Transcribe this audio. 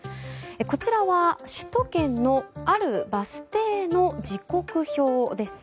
こちらは首都圏の、あるバス停の時刻表です。